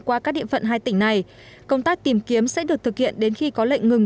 qua các địa phận hai tỉnh này công tác tìm kiếm sẽ được thực hiện đến khi có lệnh ngừng